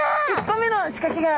１個目の仕掛けが。